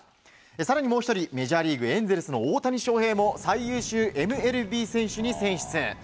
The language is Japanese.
更にもう１人、メジャーリーグエンゼルスの大谷翔平も最優秀ＭＬＢ選手に選出。